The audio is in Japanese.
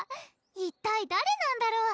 一体誰なんだろう？